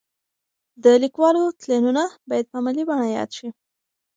د لیکوالو تلینونه باید په علمي بڼه یاد شي.